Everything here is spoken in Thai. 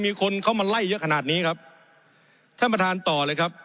มีคนเข้ามาไล่เยอะขนาดนี้ครับท่านประธานต่อเลยครับ